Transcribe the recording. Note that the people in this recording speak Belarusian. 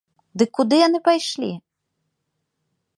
Дык куды яны пайшлі?